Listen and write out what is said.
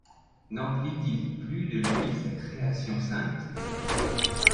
N’emplit-il plus de lui sa création sainte?